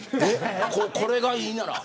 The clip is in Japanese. これがいいなら。